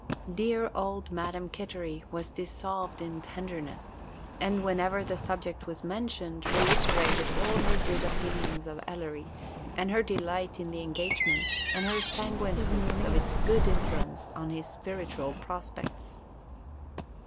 Dear old Madam Kittery was dissolved in tenderness, and whenever the subject was mentioned reiterated all her good opinions of Ellery, and her delight in the engagement, and her sanguine hopes of its good influence on his spiritual prospects.